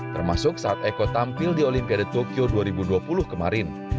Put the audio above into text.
termasuk saat eko tampil di olimpiade tokyo dua ribu dua puluh kemarin